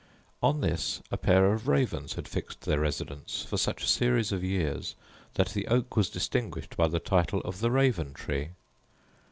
On this a pair of ravens had fixed their residence for such a series of years, that the oak was distinguished by the title of the Raven tree.